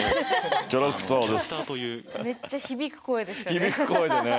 めっちゃ響く声でしたね。